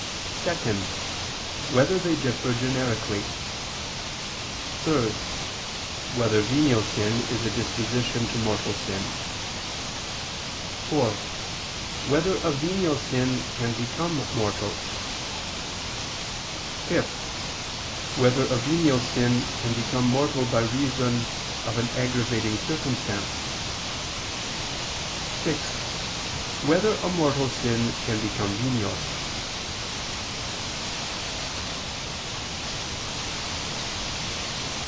(2) Whether they differ generically? (3) Whether venial sin is a disposition to mortal sin? (4) Whether a venial sin can become mortal? (5) Whether a venial sin can become mortal by reason of an aggravating circumstance? (6) Whether a mortal sin can become venial?